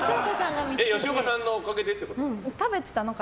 吉岡さんのおかげでってことですか？